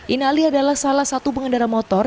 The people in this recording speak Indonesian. inali adalah salah satu pengendara motor